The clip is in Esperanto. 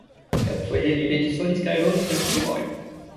Kelkfoje li reĝisoris kaj rolis en filmoj.